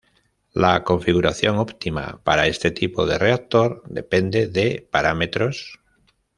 La configuración óptima para este tipo de reactor depende de parámetros.